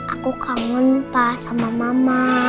aku kangen sama mama